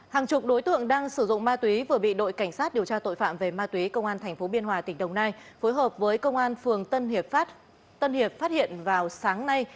hàng chục đối tượng đang sử dụng ma túy vừa bị đội cảnh sát điều tra tội phạm về ma túy công an tp biên hòa tỉnh đồng nai phối hợp với công an phường tân hiệp pháp tân hiệp phát hiện vào sáng nay